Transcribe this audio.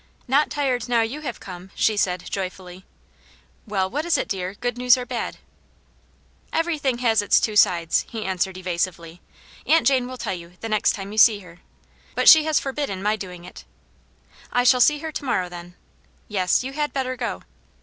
'* Not tired now you have come 1" she said, joy fully. " Well, what is it, dear, good news or bad ?"" Everything has its two sides," he answered, eva sively. " Aunt Jane will tell you, the next time you see her. But she has forbidden my doing it." " I shall see her to morrow, then." " Yes. You had better go."